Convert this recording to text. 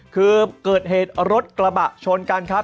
คือเกิดเหตุรถกระบะชนกันครับ